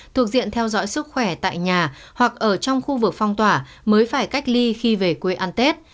thuộc diện theo dõi sức khỏe tại nhà hoặc ở trong khu vực phong tỏa mới phải cách ly khi về quê ăn tết